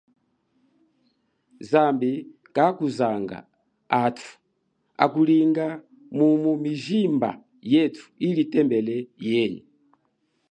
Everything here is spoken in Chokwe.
Zambi kakuzanga hatu akulinanga mumu mijimba yetu ili tembele yenyi.